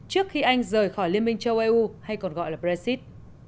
rời khỏi liên minh châu âu hay còn gọi là brexit